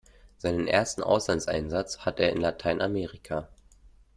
Seinen ersten Auslandseinsatz hat er in Lateinamerika.